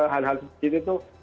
hal hal seperti itu tuh